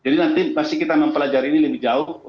jadi nanti pasti kita mempelajari ini lebih jauh